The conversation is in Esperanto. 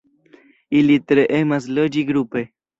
Ili tre emas loĝi grupe.